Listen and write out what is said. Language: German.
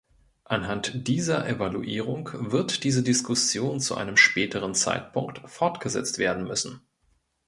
Anhand dieser Evaluierung wird diese Diskussion zu einem späteren Zeitpunkt fortgesetzt werden müssen.